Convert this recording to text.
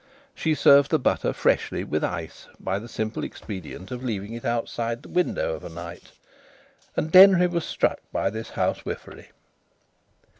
She served the butter freshly with ice by the simple expedient of leaving it outside the window of a night. And Denry was struck by this house wifery.